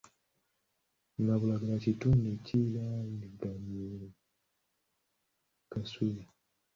Nabulagala kitundu ekiriraaniganyene Kasubi.